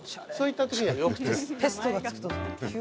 そういったときにはよく使います。